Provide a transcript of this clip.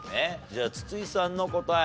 じゃあ筒井さんの答え。